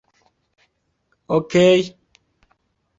Okej.